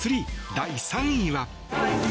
第３位は。